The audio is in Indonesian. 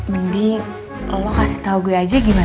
mending lo kasih tau gue aja gimana